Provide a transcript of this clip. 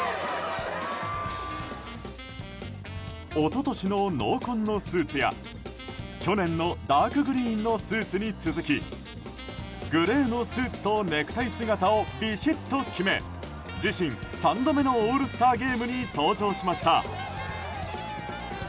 一昨年の濃紺のスーツや去年のダークグリーンのスーツに続きグレーのスーツとネクタイ姿をビシッと決め自身３度目のオールスターゲームに登場しました。